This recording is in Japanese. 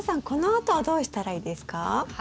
このあとはどうしたらいいですか？